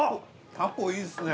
タコいいですね。